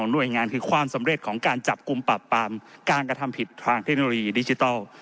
หน่วยงานคือความสำเร็จของการจับกลุ่มปรับปรามการกระทำผิดทางเทคโนโลยีดิจิทัล